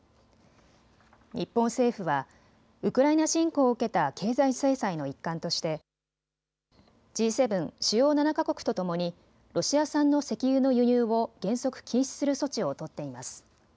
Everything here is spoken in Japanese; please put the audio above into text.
日本政府はウクライナ侵攻を受けた経済制裁の一環としてＧ７・主要７か国とともにロシア産の石油の輸入を原則、禁止する措置を取っています。